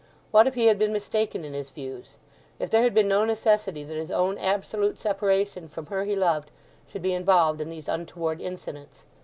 What if he had been mistaken in his views; if there had been no necessity that his own absolute separation from her he loved should be involved in these untoward incidents?